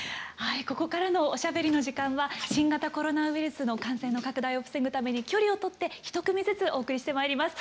ここからのおしゃべりの時間は新型コロナウイルスの感染の拡大を防ぐために距離を取って１組ずつお送りしてまいります。